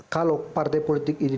kalau partai politik ini